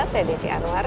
saya desi anwar